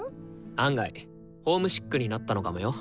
案外ホームシックになったのかもよ。